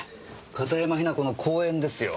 片山雛子の講演ですよ。